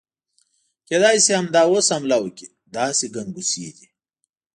کېدای شي همدا اوس حمله وکړي، داسې ګنګوسې دي.